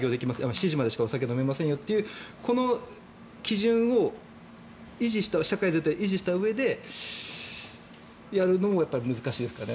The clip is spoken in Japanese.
７時までしかお酒飲めませんよっていうこの基準を維持したうえでやるのは難しいですかね。